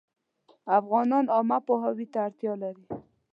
افغانان عامه پوهاوي ته اړتیا لري